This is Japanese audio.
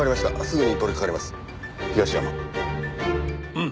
うん。